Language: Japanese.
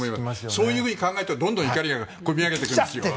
そういうふうに考えるとどんどん怒りがこみ上げてくるんですよ。